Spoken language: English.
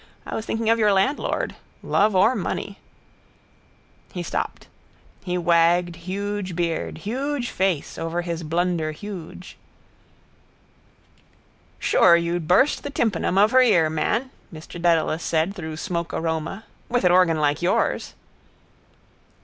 I was thinking of your landlord. Love or money. He stopped. He wagged huge beard, huge face over his blunder huge. —Sure, you'd burst the tympanum of her ear, man, Mr Dedalus said through smoke aroma, with an organ like yours.